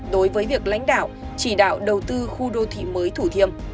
đối với việc lãnh đạo chỉ đạo đầu tư khu đô thị mới thủ thiêm